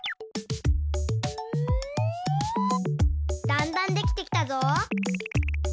だんだんできてきたぞ。